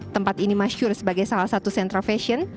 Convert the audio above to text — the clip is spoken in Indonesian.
tempat ini masyur sebagai salah satu sentra fashion